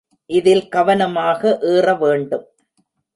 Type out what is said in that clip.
இதில் கவனமாக ஏறவேண்டும்.